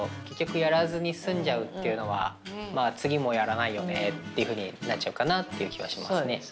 結局やらずに済んじゃうっていうのはまあ次もやらないよねっていうふうになっちゃうかなっていう気がしますね。